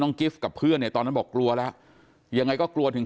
ต้องกิฟต์กับเพื่อนให้ตอนนั้นบอกกลัวแล้วอย่างไงก็กลัวถึง